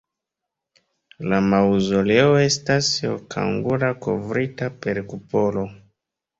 La maŭzoleo estas okangula kovrita per kupolo.